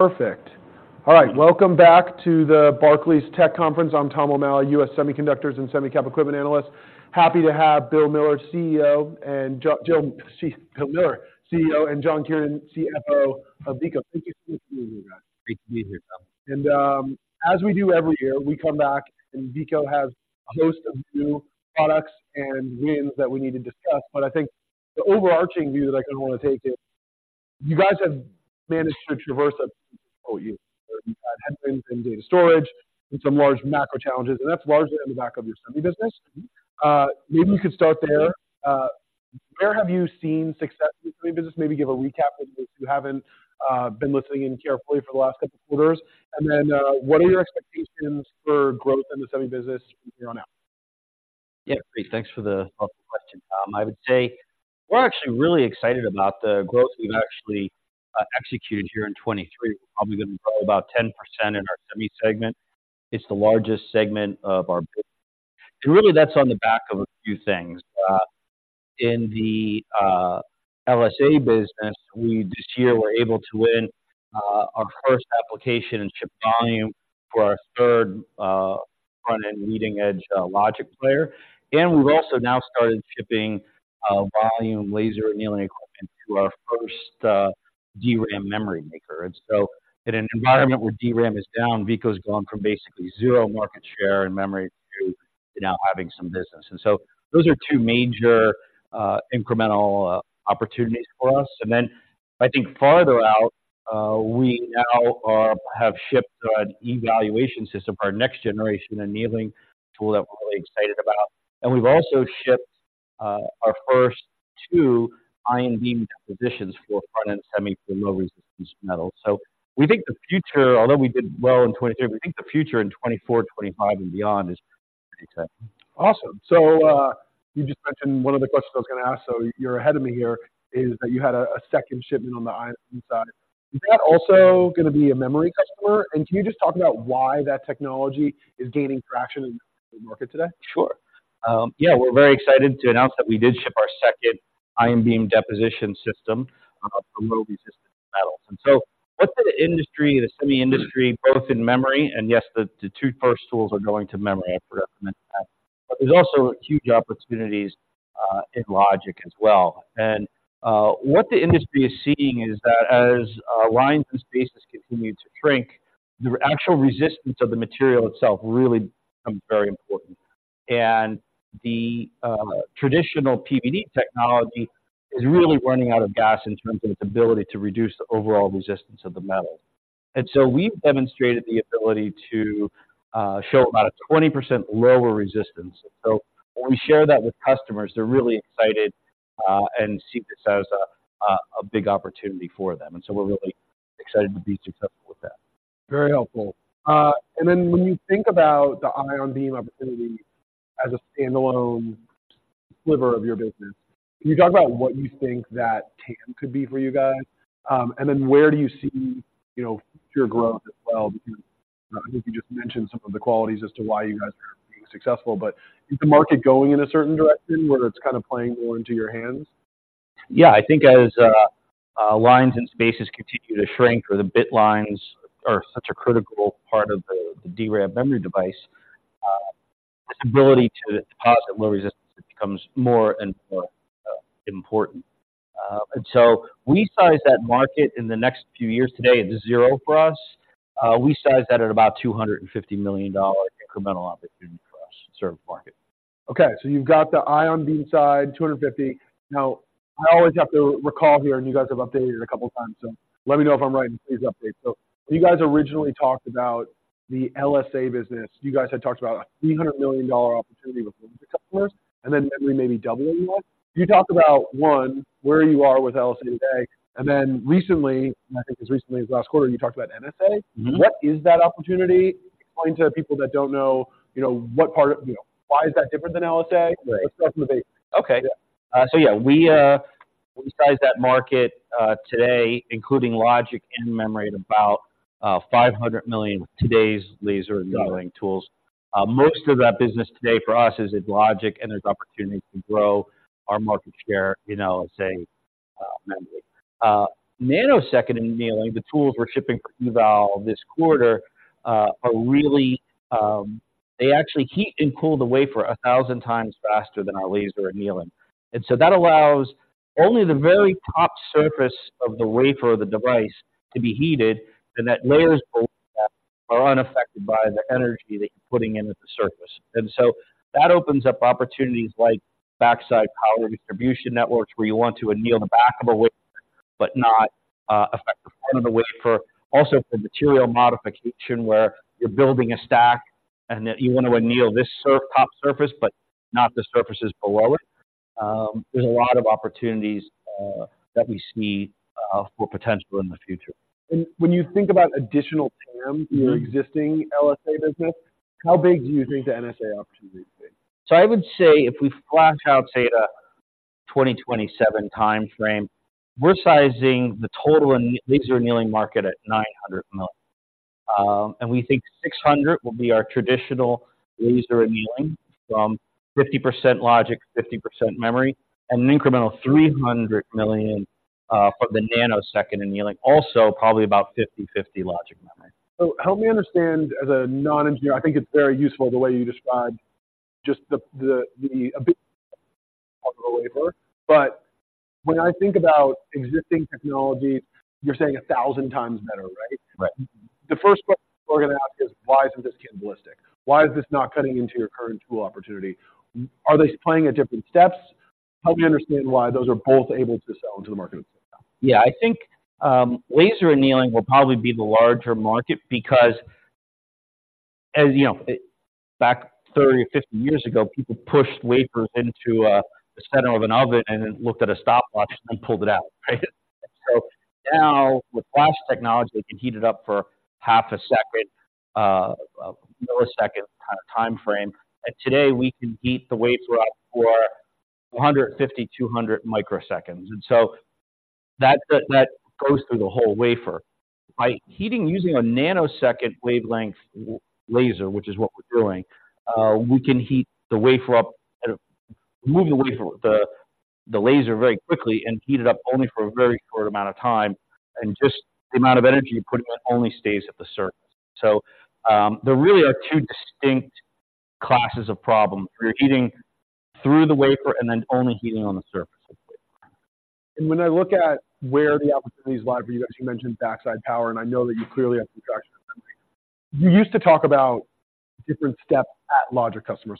Perfect! All right, welcome back to the Barclays Tech Conference. I'm Tom O'Malley, US Semiconductors and Semicap Equipment Analyst. Happy to have Bill Miller, CEO, and John Kiernan, CFO of Veeco. Thank you for being here, guys. Great to be here, Tom. As we do every year, we come back, and Veeco has a host of new products and wins that we need to discuss. But I think the overarching view that I kind of want to take is, you guys have managed to traverse a whole year, and had wins in data storage and some large macro challenges, and that's largely on the back of your semi business. Mm-hmm. Maybe you could start there. Where have you seen success in the semi business? Maybe give a recap for those who haven't been listening in carefully for the last couple of quarters. And then, what are your expectations for growth in the semi business from here on out? Yeah, great. Thanks for the helpful question, Tom. I would say we're actually really excited about the growth we've actually executed here in 2023. We're probably going to grow about 10% in our semi segment. It's the largest segment of our business, and really, that's on the back of a few things. In the LSA business, we this year were able to win our first application and ship volume for our third front-end leading edge logic player. And we've also now started shipping volume laser annealing equipment to our first DRAM memory maker. And so in an environment where DRAM is down, Veeco's gone from basically 0 market share in memory to now having some business. And so those are two major incremental opportunities for us. Then I think farther out, we have shipped an evaluation system, our next generation annealing tool, that we're really excited about. And we've also shipped our first two ion beam depositions for front-end semi for low-resistance metal. So we think the future—although we did well in 2023, we think the future in 2024, 2025 and beyond is pretty exciting. Awesome. So, you just mentioned one of the questions I was going to ask, so you're ahead of me here, is that you had a second shipment on the ion side. Is that also going to be a memory customer? And can you just talk about why that technology is gaining traction in the market today? Sure. Yeah, we're very excited to announce that we did ship our second ion beam deposition system for low-resistance metals. So what the industry, the semi industry, both in memory, and yes, the two first tools are going to memory. I forgot to mention that, but there's also huge opportunities in logic as well. What the industry is seeing is that as lines and spaces continue to shrink, the actual resistance of the material itself really becomes very important. The traditional PVD technology is really running out of gas in terms of its ability to reduce the overall resistance of the metal. So we've demonstrated the ability to show about a 20% lower resistance. So when we share that with customers, they're really excited and see this as a big opportunity for them, and so we're really excited to be successful with that. Very helpful. And then when you think about the ion beam opportunity as a standalone sliver of your business, can you talk about what you think that TAM could be for you guys? And then where do you see, you know, your growth as well? Because I think you just mentioned some of the qualities as to why you guys are being successful, but is the market going in a certain direction, whether it's kind of playing more into your hands? Yeah, I think as lines and spaces continue to shrink, or the bit lines are such a critical part of the DRAM memory device, this ability to deposit low resistance becomes more and more important. And so we size that market in the next few years. Today, it's zero for us. We size that at about $250 million incremental opportunity for us to serve the market. Okay, so you've got the ion beam side, 250. Now, I always have to recall here, and you guys have updated it a couple of times, so let me know if I'm right, and please update. So you guys originally talked about the LSA business. You guys had talked about a $300 million opportunity with a couple of customers, and then memory maybe doubling that. Can you talk about, one, where you are with LSA today, and then recently, and I think as recently as last quarter, you talked about NSA. Mm-hmm. What is that opportunity? Explain to people that don't know, you know, what part of... You know, why is that different than LSA? Right. Let's start from the base. Okay. Yeah. So yeah, we size that market today, including logic and memory, at about $500 million with today's laser annealing- Got it Tools. Most of that business today for us is in logic, and there's opportunity to grow our market share in LSA, memory. Nanosecond annealing, the tools we're shipping for eval this quarter, are really. They actually heat and cool the wafer 1,000 times faster than our laser annealing. And so that allows only the very top surface of the wafer or the device to be heated, and that layers below that are unaffected by the energy that you're putting in at the surface. And so that opens up opportunities like backside power distribution networks, where you want to anneal the back of a wafer, but not affect the front of the wafer. Also, for material modification, where you're building a stack and that you want to anneal this top surface, but not the surfaces below it. There's a lot of opportunities that we see for potential in the future. And when you think about additional TAM- Mm-hmm For your existing LSA business, how big do you think the NSA opportunity would be? So I would say if we flash out, say at a 2027 time frame, we're sizing the total laser annealing market at $900 million, and we think $600 million will be our traditional laser annealing, from 50% logic, 50% memory, and an incremental $300 million for the nanosecond annealing. Also, probably about 50/50 logic memory. So help me understand, as a non-engineer, I think it's very useful, the way you described just the wafer. But when I think about existing technologies, you're saying 1,000 times better, right? Right. The first question we're going to ask is, why isn't this cannibalistic? Why is this not cutting into your current tool opportunity? Are they playing at different steps? Help me understand why those are both able to sell into the market at the same time. Yeah, I think, laser annealing will probably be the larger market because as you know, back 30 or 50 years ago, people pushed wafers into the center of an oven and then looked at a stopwatch and pulled it out, right? So now, with flash technology, we can heat it up for half a second, a millisecond kind of time frame. And today, we can heat the wafer up for 150, 200 microseconds, and so that goes through the whole wafer. By heating, using a nanosecond wavelength laser, which is what we're doing, we can heat the wafer up and move the laser very quickly and heat it up only for a very short amount of time, and just the amount of energy you're putting in only stays at the surface. There really are two distinct classes of problems. You're heating through the wafer and then only heating on the surface of the wafer. When I look at where the opportunities lie for you guys, you mentioned backside power, and I know that you clearly have some traction. You used to talk about different steps at logic customers.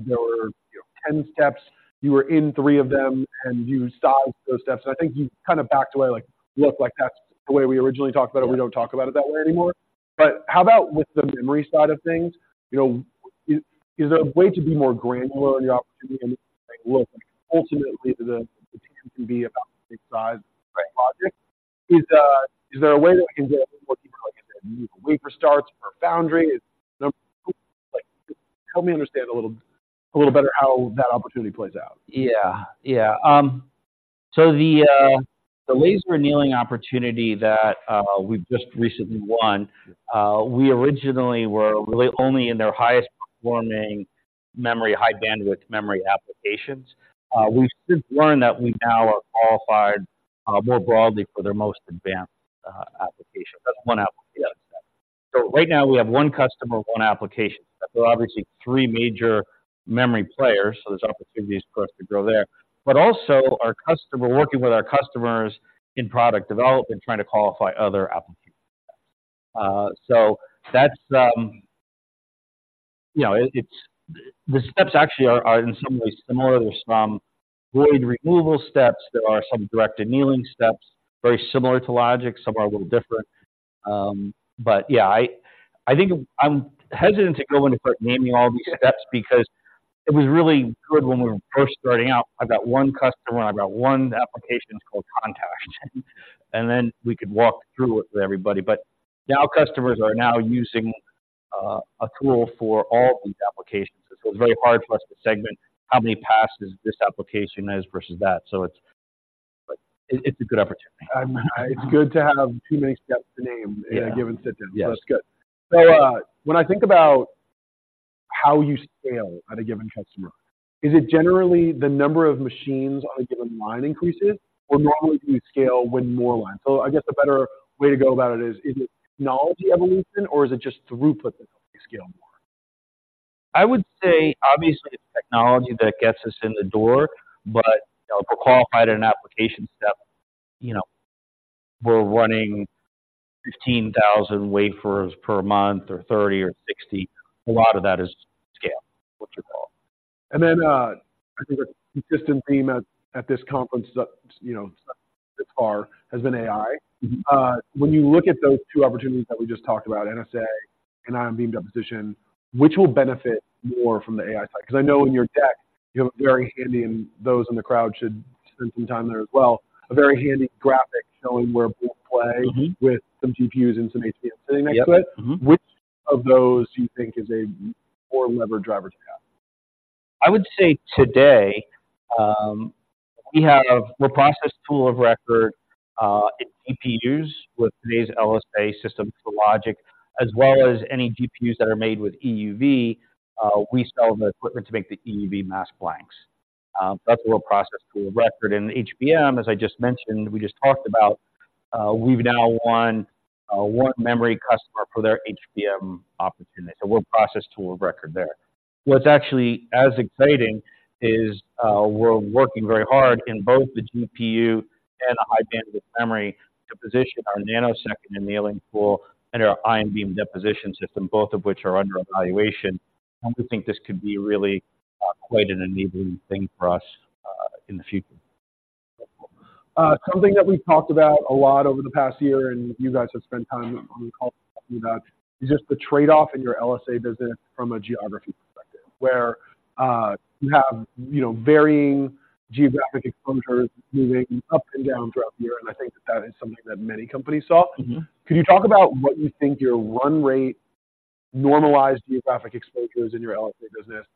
There were, you know, 10 steps. You were in 3 of them, and you sized those steps, and I think you kind of backed away, like, "Look, like, that's the way we originally talked about it. We don't talk about it that way anymore." But how about with the memory side of things? You know, is there a way to be more granular in your opportunity and say, look, ultimately, the TAM can be about the same size, right, logic? Is there a way that we can get a little more deeper, like unique wafer starts per foundry? Is there, like... Help me understand a little better how that opportunity plays out. Yeah. Yeah. So the laser annealing opportunity that we've just recently won, we originally were really only in their highest performing memory, high bandwidth memory applications. We've since learned that we now are qualified more broadly for their most advanced application. That's one application. So right now, we have one customer, one application. There are obviously three major memory players, so there's opportunities for us to grow there. But also, our customer, we're working with our customers in product development, trying to qualify other applications. So that's, you know, it, it's... The steps actually are in some ways similar. There's some void removal steps, there are some direct annealing steps, very similar to logic, some are a little different. But yeah, I think I'm hesitant to go in and start naming all these steps because it was really good when we were first starting out. I've got one customer, and I've got one application. It's called contact, and then we could walk through it with everybody. But now, customers are using a tool for all of these applications. So it's very hard for us to segment how many passes this application is versus that. So it's a good opportunity. It's good to have too many steps to name- Yeah. In a given situation. Yes. That's good. So, when I think about how you scale at a given customer, is it generally the number of machines on a given line increases, or normally do you scale when more lines? So I guess a better way to go about it is, is it technology evolution or is it just throughput that helps you scale more? I would say, obviously, it's technology that gets us in the door, but, you know, if we're qualified at an application step, you know, we're running 15,000 wafers per month, or 30, or 60. A lot of that is scale, what you call. Then, I think a consistent theme at this conference is that, you know, this far has been AI. Mm-hmm. When you look at those two opportunities that we just talked about, LSA and ion beam deposition, which will benefit more from the AI side? Because I know in your deck, you have a very handy, and those in the crowd should spend some time there as well, a very handy graphic showing where play- Mm-hmm. with some GPUs and some HBM sitting next to it. Yep. Mm-hmm. Which of those do you think is a more lever driver to have? I would say today, we have the process tool of record in GPUs with today's LSA systems for logic, as well as any GPUs that are made with EUV. We sell the equipment to make the EUV mask blanks. That's a real process tool of record. And HBM, as I just mentioned, we just talked about, we've now won one memory customer for their HBM opportunity, so we're process tool of record there. What's actually as exciting is, we're working very hard in both the GPU and the high bandwidth memory to position our nanosecond annealing tool and our ion beam deposition system, both of which are under evaluation. And we think this could be really quite an enabling thing for us in the future. Something that we've talked about a lot over the past year, and you guys have spent time on the call talking about, is just the trade-off in your LSA business from a geography perspective, where you have, you know, varying geographic exposures moving up and down throughout the year, and I think that that is something that many companies saw. Mm-hmm. Could you talk about what you think your run rate normalized geographic exposures in your LSD business,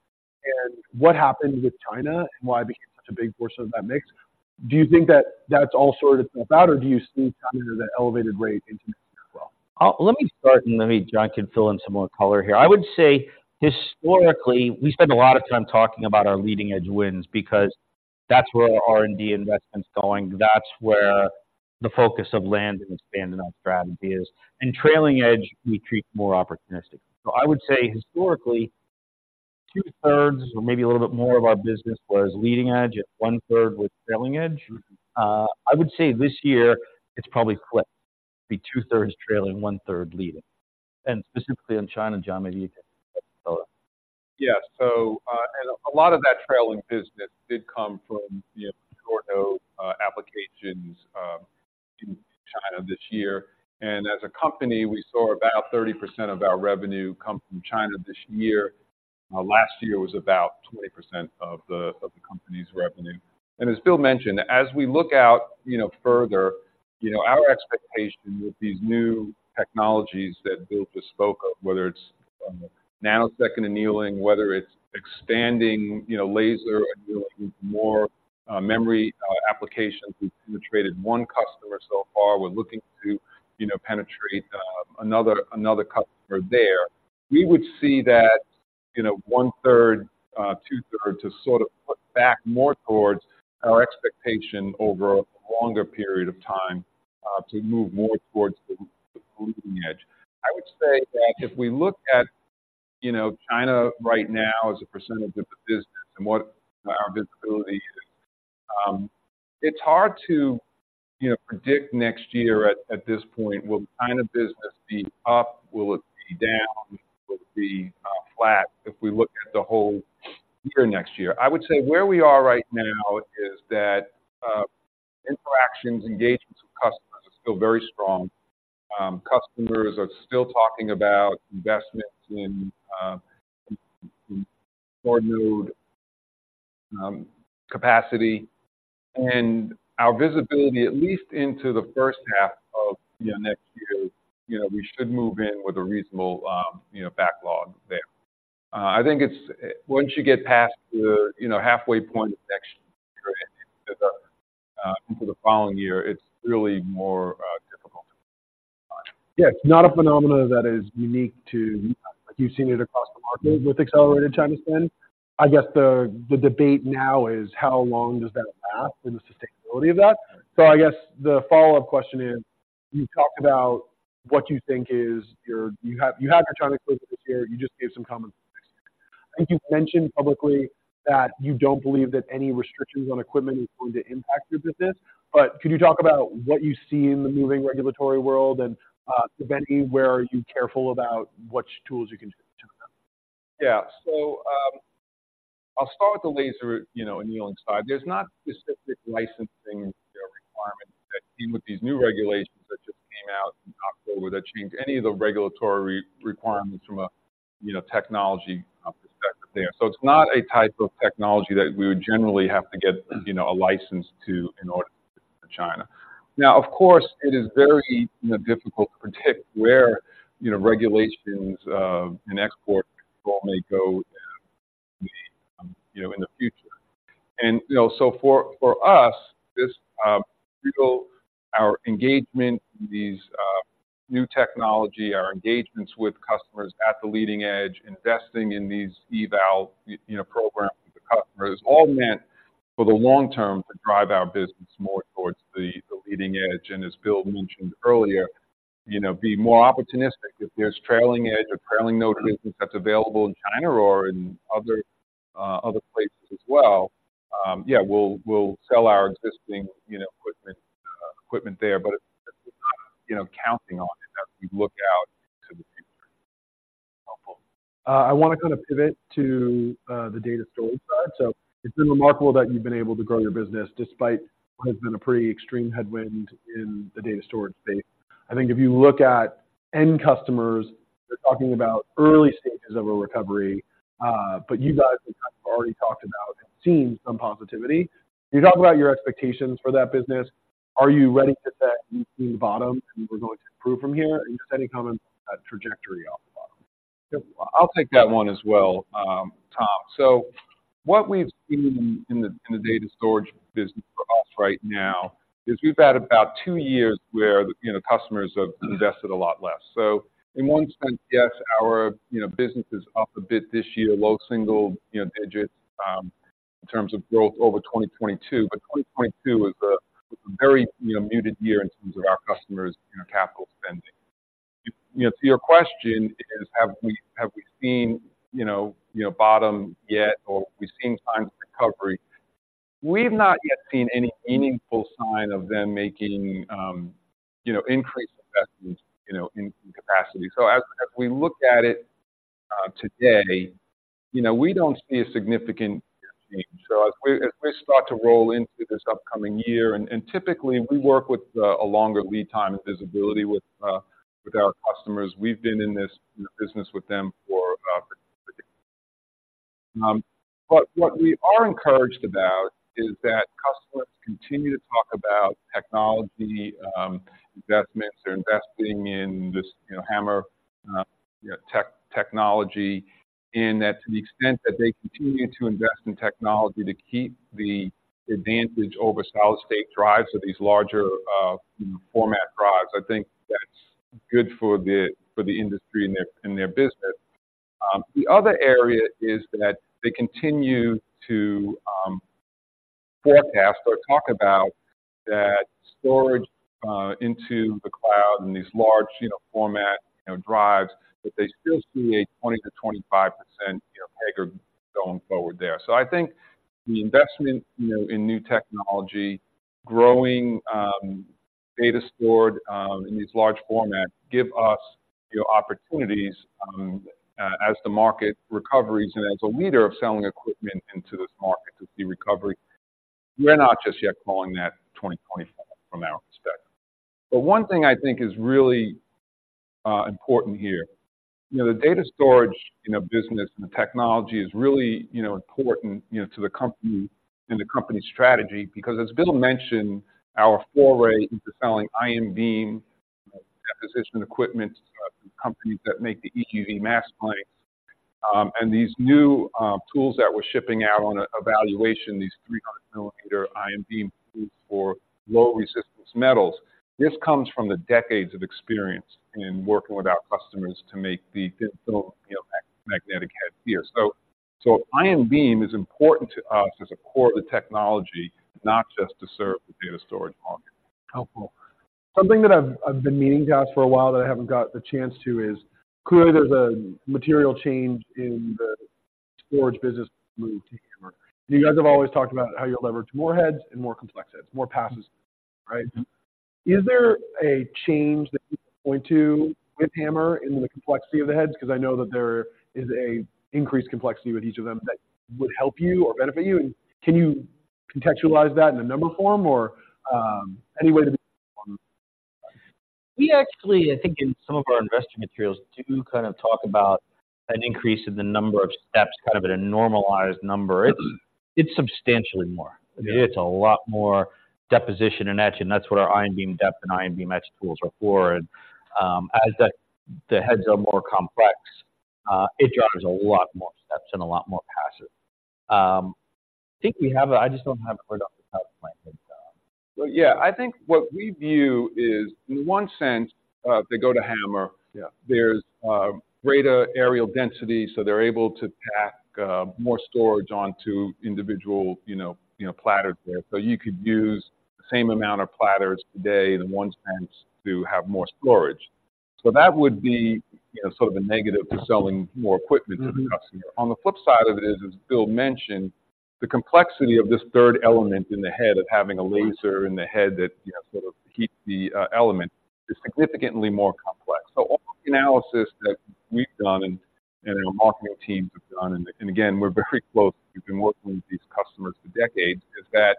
and what happened with China and why it became such a big portion of that mix? Do you think that that's all sorted about, or do you see China at an elevated rate into next year as well? Let me start, and then John can fill in some more color here. I would say historically, we spend a lot of time talking about our leading-edge wins because that's where our R&D investment's going, that's where the focus of land and expanding our strategy is. And trailing edge, we treat more opportunistically. So I would say historically, two-thirds or maybe a little bit more of our business was leading edge, and one-third was trailing edge. I would say this year it's probably flipped, be two-thirds trailing, one-third leading. And specifically on China, John, maybe you can add more. Yeah. A lot of that trailing business did come from, you know, short node applications in China this year. As a company, we saw about 30% of our revenue come from China this year. Last year, it was about 20% of the company's revenue. As Bill mentioned, as we look out, you know, further, you know, our expectation with these new technologies that Bill just spoke of, whether it's nanosecond annealing, whether it's expanding, you know, laser annealing with more memory applications. We've penetrated one customer so far. We're looking to, you know, penetrate another customer there. We would see that, you know, 1/3, 2/3 is sort of put back more towards our expectation over a longer period of time to move more towards the leading edge. I would say that if we look at, you know, China right now as a percentage of the business and what our visibility is, it's hard to, you know, predict next year at this point, will China business be up, will it be down, will it be flat if we look at the whole year next year? I would say where we are right now is that interactions, engagements with customers are still very strong. Customers are still talking about investments in more node capacity, and our visibility at least into the first half of next year, you know, we should move in with a reasonable backlog there. I think it's once you get past the halfway point next year into the following year, it's really more difficult. Yeah, it's not a phenomenon that is unique to you. You've seen it across the market with accelerated China spend. I guess the debate now is: How long does that last and the sustainability of that? So I guess the follow-up question is, you talked about what you think is your... You have, you had your China close this year. You just gave some comments. I think you've mentioned publicly that you don't believe that any restrictions on equipment is going to impact your business. But could you talk about what you see in the moving regulatory world, and, to then anywhere, are you careful about which tools you can turn them on? Yeah. So, I'll start with the laser, you know, annealing side. There's not specific licensing requirements that, even with these new regulations that just came out in October, that change any of the regulatory requirements from a, you know, technology perspective there. So it's not a type of technology that we would generally have to get, you know, a license to in order to sell to China. Now, of course, it is very difficult to predict where, you know, regulations and export control may go, you know, in the future. You know, so for us, this really our engagement, these new technology engagements with customers at the leading edge, investing in these EUV programs with the customers, all meant for the long term, to drive our business more towards the leading edge, and as Bill mentioned earlier, you know, be more opportunistic. If there's trailing edge or trailing node business that's available in China or in other places as well, yeah, we'll sell our existing equipment there, but you know, counting on it as we look out into the future. I wanna kind of pivot to the data storage side. So it's been remarkable that you've been able to grow your business despite what has been a pretty extreme headwind in the data storage space. I think if you look at end customers, they're talking about early stages of a recovery, but you guys have already talked about seeing some positivity. Can you talk about your expectations for that business? Are you ready to set and bottom, and we're going to improve from here? Are you setting common trajectory off the bottom? I'll take that one as well, Tom. So what we've seen in the data storage business for us right now is we've had about two years where, you know, customers have invested a lot less. So in one sense, yes, our, you know, business is up a bit this year, low single, you know, digits in terms of growth over 2022. But 2022 is a very, you know, muted year in terms of our customers' capital spending. You know, so your question is, have we seen, you know, bottom yet, or we've seen signs of recovery? We've not yet seen any meaningful sign of them making, you know, increased investments, you know, in capacity. So as we look at it today, you know, we don't see a significant change. So as we start to roll into this upcoming year, and typically, we work with a longer lead time and visibility with our customers. We've been in this business with them. But what we are encouraged about is that customers continue to talk about technology investments. They're investing in this, you know, HAMR, you know, technology, and that to the extent that they continue to invest in technology to keep the advantage over solid-state drives, so these larger, you know, format drives, I think that's good for the industry and their business. The other area is that they continue to forecast or talk about that storage into the cloud and these large, you know, format, you know, drives, that they still see a 20%-25%, you know, CAGR going forward there. So I think the investment, you know, in new technology, growing, data stored in these large formats, give us, you know, opportunities as the market recoveries and as a leader of selling equipment into this market to see recovery. We're not just yet calling that 20-25, from our perspective. But one thing I think is really important here, you know, the data storage, you know, business and the technology is really, you know, important, you know, to the company and the company's strategy, because as Bill mentioned, our foray into selling ion beam deposition equipment from companies that make the EUV mask blanks. And these new tools that we're shipping out on an evaluation, these 300 millimeter ion beam tools for low-resistance metals, this comes from the decades of experience in working with our customers to make the film, you know, magnetic head here. So ion beam is important to us as a core of the technology, not just to serve the data storage market. Helpful. Something that I've been meaning to ask for a while, that I haven't got the chance to, is clearly there's a material change in the storage business move to HAMR. You guys have always talked about how you leverage more heads and more complex heads, more passes, right? Is there a change that you can point to with HAMR in the complexity of the heads? Because I know that there is an increased complexity with each of them that would help you or benefit you. And can you contextualize that in a number form or any way to be on? We actually, I think in some of our investor materials, do kind of talk about an increase in the number of steps, kind of at a normalized number. It's substantially more. Yeah. I mean, it's a lot more deposition and etching. That's what our ion beam dep and ion beam etch tools are for. As the heads are more complex, it drives a lot more steps and a lot more passes. I think we have it, I just don't have it right off the top of my head. Well, yeah, I think what we view is, in one sense, they go to HAMR. Yeah. There's greater areal density, so they're able to pack more storage onto individual, you know, you know, platters there. So you could use the same amount of platters today, in one sense, to have more storage. So that would be, you know, sort of a negative to selling more equipment to the customer. Mm-hmm. On the flip side of it, as Bill mentioned, the complexity of this third element in the head, of having a laser in the head that, you know, sort of heats the element, is significantly more complex. So all the analysis that we've done and our marketing teams have done, and again, we're very close, we've been working with these customers for decades, is that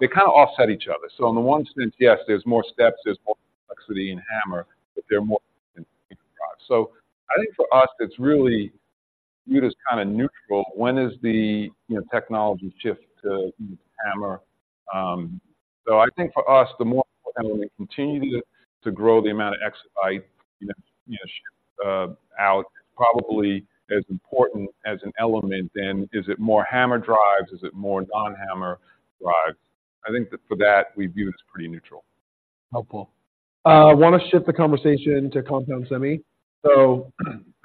they kind of offset each other. So in the one sense, yes, there's more steps, there's more complexity in HAMR, but they're more... So I think for us, it's really viewed as kind of neutral. When is the, you know, technology shift to HAMR? So I think for us, the more we continue to grow the amount of exabyte, you know, out, probably as important as an element than, is it more HAMR drives? Is it more non-HAMR drives? I think that for that, we view it as pretty neutral. Helpful. I want to shift the conversation to compound semi. So,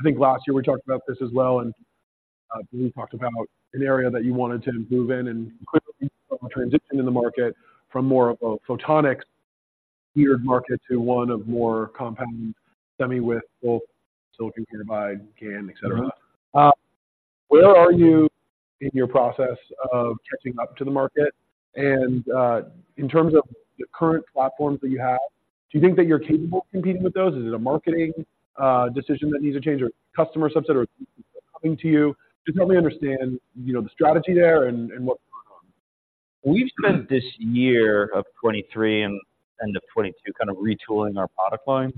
I think last year we talked about this as well, and we talked about an area that you wanted to move in and clearly transition in the market from more of a photonics geared market to one of more compound semi with both silicon carbide, GaN, et cetera. Where are you in your process of catching up to the market? And, in terms of the current platforms that you have, do you think that you're capable of competing with those? Is it a marketing decision that needs to change, or customer subset, or coming to you? Just help me understand, you know, the strategy there and, and what... We've spent this year of 2023 and end of 2022 kind of retooling our product lines.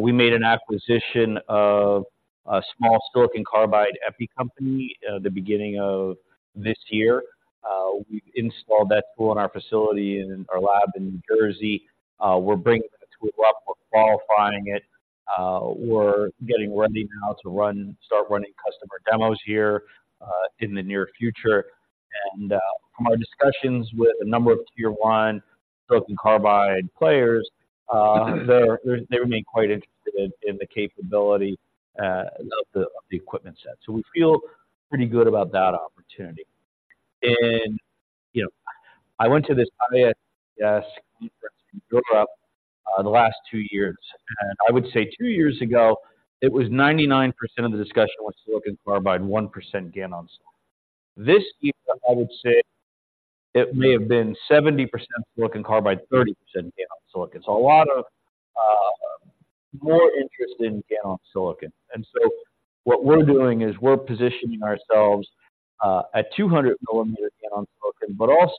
We made an acquisition of a small silicon carbide epi company the beginning of this year. We've installed that tool in our facility, in our lab in New Jersey. We're bringing the tool up, we're qualifying it. We're getting ready now to start running customer demos here in the near future. From our discussions with a number of tier one silicon carbide players, they remain quite interested in the capability of the equipment set. We feel pretty good about that opportunity. You know, I went to this IEDM event in Europe the last two years, and I would say two years ago, it was 99% of the discussion was silicon carbide, 1% GaN on silicon. This year, I would say it may have been 70% silicon carbide, 30% GaN on silicon. So a lot of more interest in GaN on silicon. And so what we're doing is we're positioning ourselves at 200 mm GaN on silicon, but also,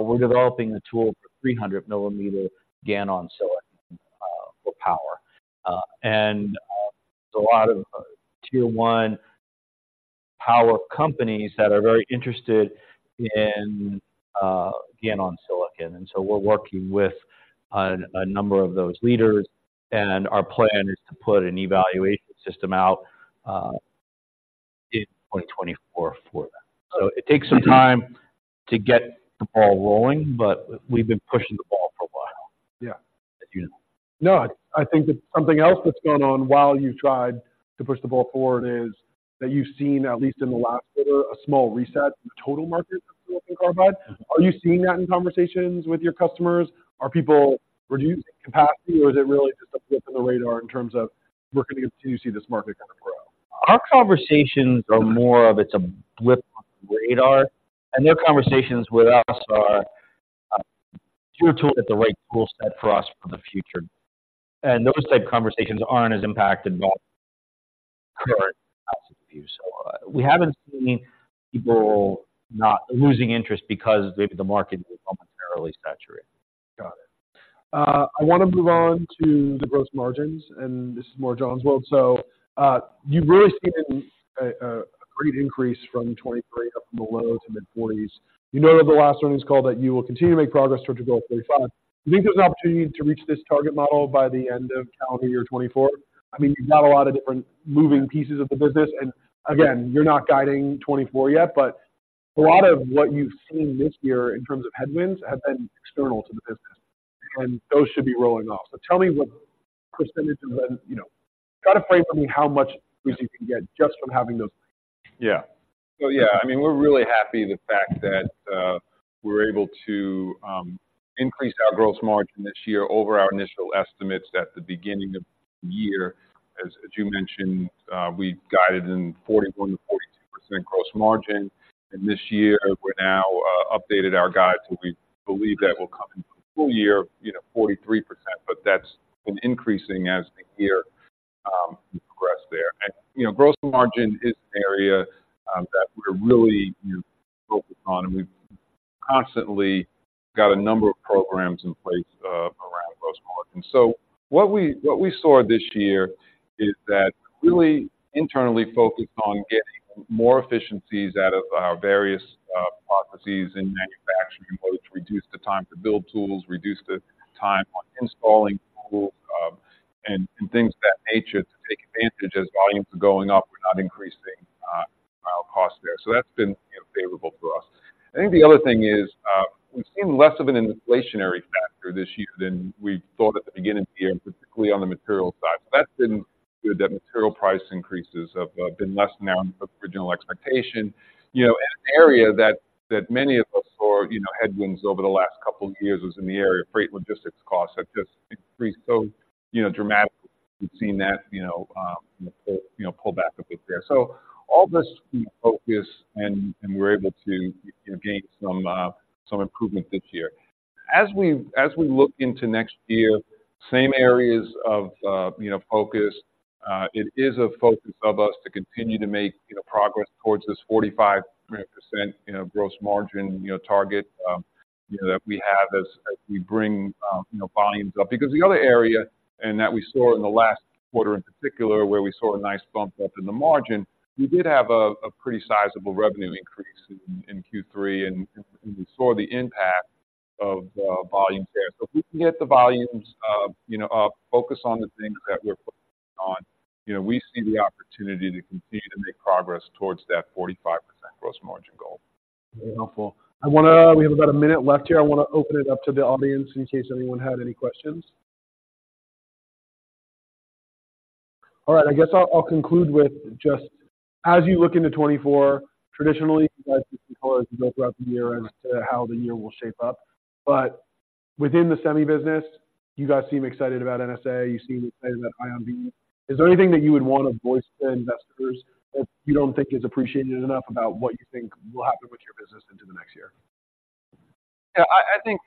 we're developing a tool for 300 mm GaN on silicon, and there's a lot of tier one power companies that are very interested in GaN on silicon. And so we're working with on a number of those leaders, and our plan is to put an evaluation system out in 2024 for that. So it takes some time to get the ball rolling, but we've been pushing the ball for a while. Yeah. As you know. No, I think that something else that's going on while you tried to push the ball forward is that you've seen, at least in the last quarter, a small reset in the total market for carbide. Are you seeing that in conversations with your customers? Are people reducing capacity, or is it really just a blip on the radar in terms of we're going to continue to see this market kind of grow? Our conversations are more of it's a blip on the radar, and their conversations with us are your tool is the right tool set for us for the future. And those type conversations aren't as impacted by current views. So, we haven't seen people not losing interest because the market is momentarily saturated. Got it. I want to move on to the gross margins, and this is more John's world. So, you've really seen a great increase from 23, up from the low- to mid-40s. You noted the last earnings call that you will continue to make progress towards the goal of 35. Do you think there's an opportunity to reach this target model by the end of calendar year 2024? I mean, you've got a lot of different moving pieces of the business, and again, you're not guiding 2024 yet, but a lot of what you've seen this year in terms of headwinds have been external to the business, and those should be rolling off. So tell me what percentage of the, you know, try to frame for me how much you can get just from having those. Yeah. So, yeah, I mean, we're really happy the fact that, we're able to, increase our gross margin this year over our initial estimates at the beginning of the year. As you mentioned, we guided in 41%-42% gross margin, and this year we're now, updated our guide, so we believe that will come in full year, you know, 43%, but that's been increasing as the year, progress there. And, you know, gross margin is an area, that we're really focused on, and we've constantly got a number of programs in place, around gross margin. So what we, what we saw this year is that really internally focused on getting more efficiencies out of our various processes in manufacturing, both to reduce the time to build tools, reduce the time on installing tools, and things of that nature to take advantage as volumes are going up, we're not increasing our costs there. So that's been, you know, favorable for us. I think the other thing is, we've seen less of an inflationary factor this year than we thought at the beginning of the year, particularly on the material side. So that's been good, that material price increases have been less now than original expectation. You know, an area that, that many of us saw, you know, headwinds over the last couple of years was in the area of freight logistics costs have just increased so, you know, dramatically. We've seen that, you know, you know, pull back a bit there. So all this we focus and we're able to gain some improvement this year. As we look into next year, same areas of, you know, focus. It is a focus of us to continue to make, you know, progress towards this 45%, you know, gross margin, you know, target, you know, that we have as we bring, you know, volumes up. Because the other area, and that we saw in the last quarter in particular, where we saw a nice bump up in the margin, we did have a pretty sizable revenue increase in Q3, and we saw the impact of the volumes there. So if we can get the volumes, you know, focus on the things that we're focusing on, you know, we see the opportunity to continue to make progress towards that 45% gross margin goal. Very helpful. I wanna—we have about a minute left here. I want to open it up to the audience in case anyone had any questions. All right, I guess I'll, I'll conclude with just as you look into 2024, traditionally, as you go throughout the year as to how the year will shape up, but within the semi business, you guys seem excited about NSA, you seem excited about IBD. Is there anything that you would want to voice to investors that you don't think is appreciated enough about what you think will happen with your business into the next year? Yeah, I think,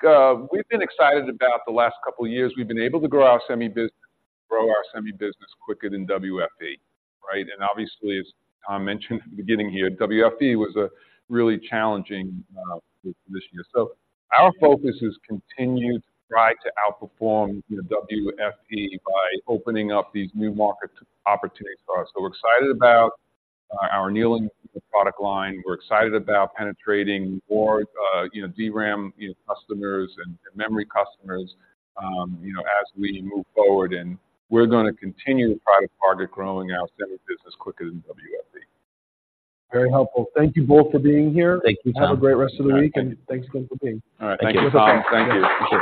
we've been excited about the last couple of years. We've been able to grow our semi business, grow our semi business quicker than WFE, right? And obviously, as Tom mentioned at the beginning here, WFE was a really challenging this year. So our focus is continued to try to outperform, you know, WFE by opening up these new market opportunities for us. So we're excited about our annealing product line. We're excited about penetrating more, you know, DRAM, you know, customers and memory customers, you know, as we move forward. And we're going to continue to try to target growing our semi business quicker than WFE. Very helpful. Thank you both for being here. Thank you, Tom. Have a great rest of the week, and thanks again for being. All right. Thank you, Tom. Thank you.